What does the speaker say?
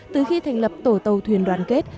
từ khi thành lập tổ tàu thuyền đoàn kết